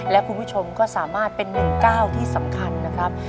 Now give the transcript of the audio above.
และคุณผู้ชมก็สามารถเป็น๑๙ที่สำคัญนะครับ